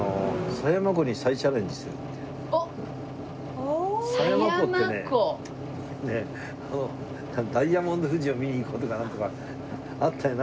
狭山湖ってねダイヤモンド富士を見に行こうとかなんとかあったよな？